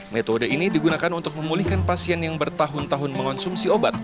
metode ini digunakan untuk memulihkan pasien yang bertahun tahun mengonsumsi obat